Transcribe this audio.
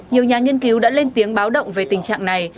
nhiều nhà nghiên cứu đã lên tiếng báo động về tình trạng này